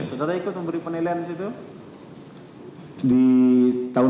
saudara ikut memberi penilaian disitu